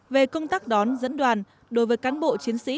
về công tác đón dẫn đoàn đối với cán bộ chiến sĩ